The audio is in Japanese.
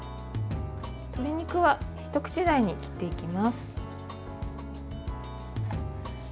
鶏肉は、一口大に切っていきます。